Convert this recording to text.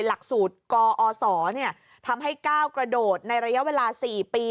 หลักสูตรกอศทำให้ก้าวกระโดดในระยะเวลา๔ปี